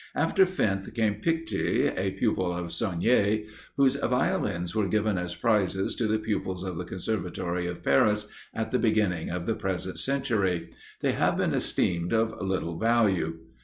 After Finth came Picte, a pupil of Saunier, whose Violins were given as prizes to the pupils of the Conservatory of Paris, at the beginning of the present century; they have been esteemed of little value.